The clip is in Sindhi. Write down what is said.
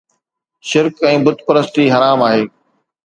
شرڪ ۽ بت پرستي حرام آهي